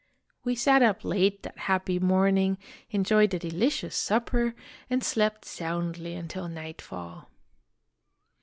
We sat up late that happy morning, enjoyed a delicious supper, and slept soundly until nightfall.